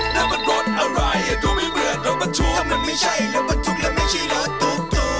นั่นมันรถอะไรดูไม่เหมือนรถบันทุกถ้ามันไม่ใช่รถบันทุกและไม่ใช่รถตุ๊กตุ๊ก